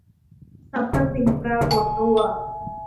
สรรพสิ่งปรากฏตัว